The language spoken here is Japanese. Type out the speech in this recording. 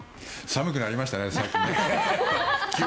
寒くなりましたね、最近。